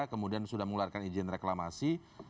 kemudian sudah mengeluarkan izin reklamasi